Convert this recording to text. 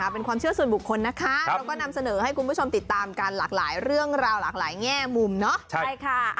เป็นความเชื่อส่วนบุคคลนะคะเราก็นำเสนอให้คุณผู้ชมติดตามกันหลากหลายเรื่องราวหลากหลายแง่มุมเนาะ